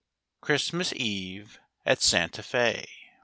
CHRISTMAS EVE AT SANTA F£.